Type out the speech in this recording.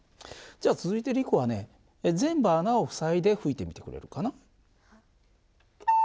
じゃあ続いてリコはね全部穴を塞いで吹いてみてくれるかな？